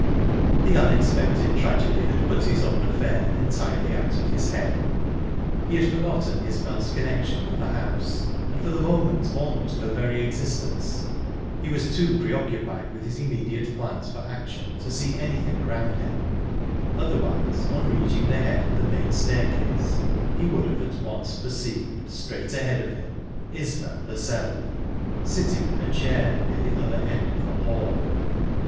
The unexpected tragedy had put his own affair entirely out of his head. He had forgotten Isbel's connection with the house, and, for the moment, almost her very existence. He was too preoccupied with his immediate plans for action to see anything around him; otherwise, upon reaching the head of the main staircase, he would have at once perceived, straight ahead of him, Isbel herself, sitting in a chair near the other end of the hall.